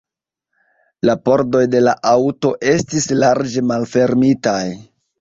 La pordoj de la aŭto estis larĝe malfermitaj.